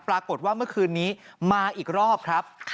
ปรากฏว่าเมื่อคืนนี้มาอีกรอบครับ